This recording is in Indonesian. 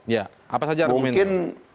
ya apa saja mungkin apa saja mungkin